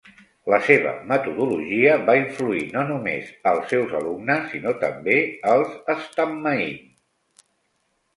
La seva metodologia va influir no només els seus alumnes, sinó també els stammaim.